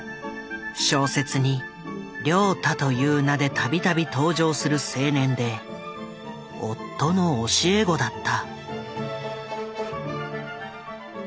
小説に「凉太」という名で度々登場する青年で夫の教え子だった。